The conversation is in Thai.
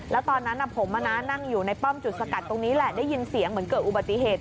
แล้วตอนนั้นผมนั่งอยู่ในป้อมจุดสกัดตรงนี้แหละได้ยินเสียงเหมือนเกิดอุบัติเหตุ